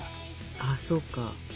ああそうか。